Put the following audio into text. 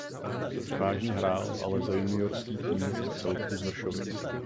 Převážně hrál ale za juniorský tým celku z Vršovic.